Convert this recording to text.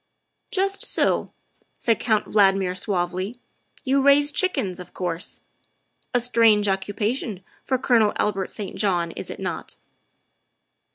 " Just so," said Count Valdmir suavely, " you raise chickens, of course. A strange occupation for Colonel Albert St. John, is it not?"